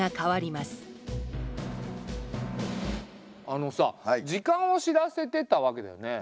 あのさ時間を知らせてたわけだよね。